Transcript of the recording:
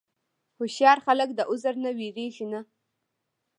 هوښیار خلک د عذر نه وېرېږي نه.